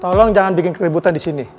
tolong jangan bikin keributan disini